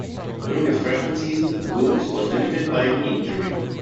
During his freshman season, "Googs" was limited by a knee injury.